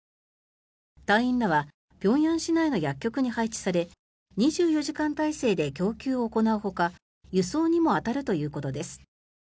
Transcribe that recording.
隊員らは平壌市内の薬局に配置され２４時間体制で供給を行うほか輸送にも当たるということです。